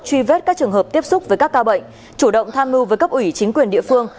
truy vết các trường hợp tiếp xúc với các ca bệnh chủ động tham mưu với cấp ủy chính quyền địa phương